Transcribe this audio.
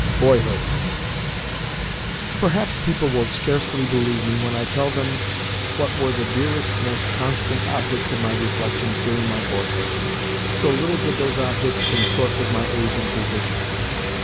BOYHOOD Perhaps people will scarcely believe me when I tell them what were the dearest, most constant, objects of my reflections during my boyhood, so little did those objects consort with my age and position.